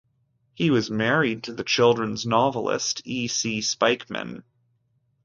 He was married to the children's novelist E. C. Spykman.